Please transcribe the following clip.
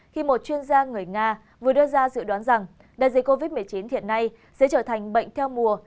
khi một chuyên gia người nga vừa đưa ra dự đoán rằng đại dịch covid một mươi chín hiện nay sẽ trở thành bệnh theo mùa